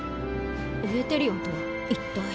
エーテリオンとは一体？